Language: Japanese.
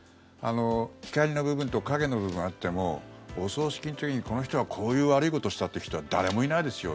光の部分と影の部分があってもお葬式の時にこの人はこういう悪いことをしたと言う人は誰もいないですよ。